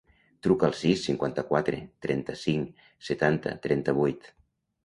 Truca al sis, cinquanta-quatre, trenta-cinc, setanta, trenta-vuit.